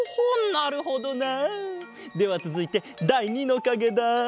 なるほどな。ではつづいてだい２のかげだ。